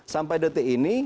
sampai detik ini